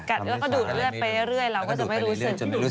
ก็ดูดเลือดไปเรื่อยเราก็จะไม่รู้สึก